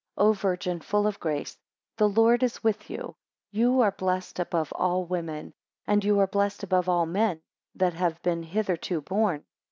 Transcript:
O Virgin full of grace! The Lord is with you. You are blessed above all women, and you are blessed above all men, that have been hitherto born.